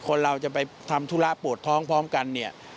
คนเราจะไปทำธุระปวดท้องพร้อมกันเนี่ย